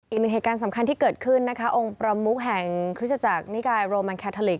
อีกหนึ่งเหตุการณ์สำคัญที่เกิดขึ้นนะคะองค์ประมุกแห่งคริสตจักรนิกายโรมันแคทาลิก